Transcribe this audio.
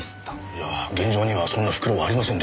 いや現場にはそんな袋はありませんでしたが。